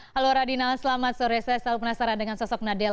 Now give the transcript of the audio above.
halo radinal selamat sore saya selalu penasaran dengan sosok nadela